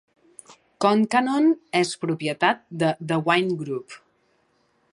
Concannon és propietat de The Wine Group.